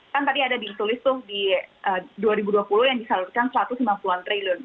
kan tadi ada ditulis tuh di dua ribu dua puluh yang disalurkan satu ratus sembilan puluh an triliun